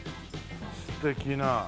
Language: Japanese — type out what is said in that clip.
素敵な。